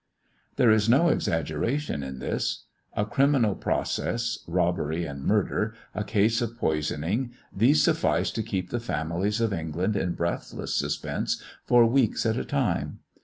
There is no exaggeration in this. A criminal process, robbery and murder, a case of poisoning these suffice to keep the families of England in breathless suspense for weeks at a time.